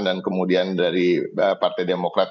dan kemudian dari partai demokrat